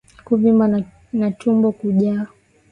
Kuvimba na tumbo kujaa